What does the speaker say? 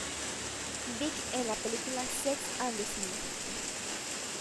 Big" en la película "Sex and the City".